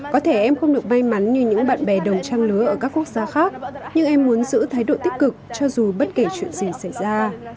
có thể em không được may mắn như những bạn bè đồng trang lứa ở các quốc gia khác nhưng em muốn giữ thái độ tích cực cho dù bất kể chuyện gì xảy ra